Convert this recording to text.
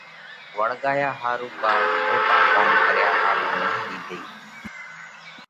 وۯڳايا ۿارُو ڪا کوٽا ڪوم ڪريا ۿارُو نه ۮِيڌئِي۔